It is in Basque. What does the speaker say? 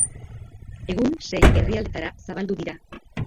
Egun sei herrialdetara zabaldu dira.